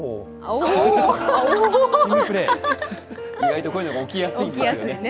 チームプレー、意外とこういうのが起きやすいのよ。